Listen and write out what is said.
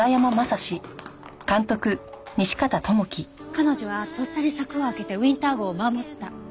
彼女はとっさに柵を開けてウィンター号を守った。